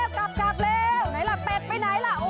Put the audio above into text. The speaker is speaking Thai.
กลับเล็วไหนละเป็ดไปไหนละ